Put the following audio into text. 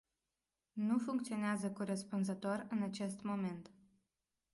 Nu funcționează corespunzător în acest moment.